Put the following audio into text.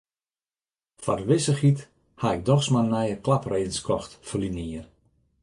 Foar de wissichheid haw ik dochs mar nije klapredens kocht ferline jier.